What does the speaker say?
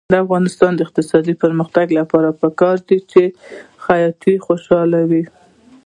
د افغانستان د اقتصادي پرمختګ لپاره پکار ده چې خیاط خوشحاله وي.